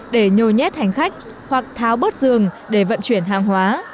để nhồi nhét hành khách hoặc tháo bớt giường để vận chuyển hàng hóa